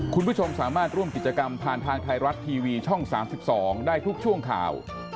คุณผู้ชมสามารถร่วมกิจกรรมผ่านทางไทยรัฐทีวีช่อง๓๒ได้ทุกช่วงข่าว